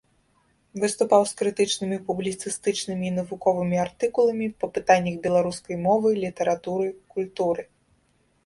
Выступаў з крытычнымі, публіцыстычнымі і навуковымі артыкуламі па пытаннях беларускай мовы, літаратуры, культуры.